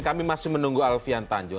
kami masih menunggu alfian tanjung